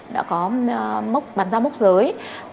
đã có bàn giao mốc giới